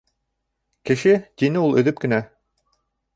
— Кеше, — тине ул өҙөп кенә.